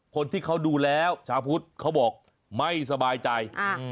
พวกเราดูแล้วที่พุทธบอกว่าไม่สบายใจ